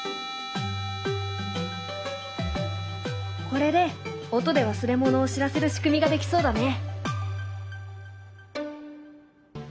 これで音で忘れ物を知らせる仕組みができそうだね。